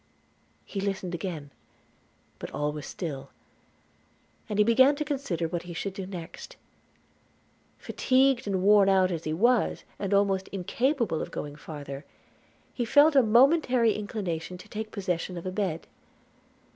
He listened again; but all was still, and he began to consider what he should do next. – Fatigued and worn out as he was, and almost incapable of going farther, he felt a momentary inclination to take possession of a bed.